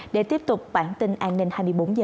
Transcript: để tiếp tục bản tin an ninh hai mươi bốn h